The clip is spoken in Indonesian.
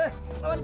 hei apaan ini